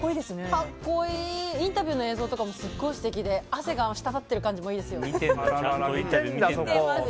インタビューの映像とかもすごい素敵で汗が滴っている感じもいいですよね。